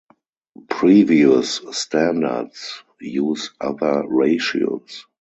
Previous standards use other ratios.